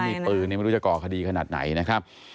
มีปืนไม่รู้จะก่อคดีขนาดไหนนะครับ